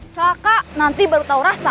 caka nanti baru tahu rasa